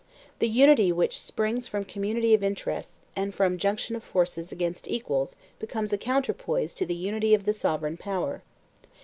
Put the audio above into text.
The unity which springs from community of interests and from junction of forces amongst equals becomes a counter poise to the unity of the sovereign power.